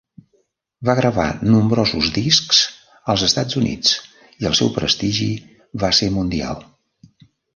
Va gravar nombrosos discs als Estats Units i el seu prestigi va ser mundial.